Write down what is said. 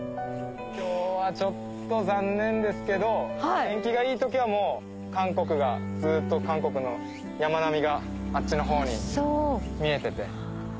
今日はちょっと残念ですけど天気がいい時は韓国がずっと韓国の山並みがあっちの方に見えてて。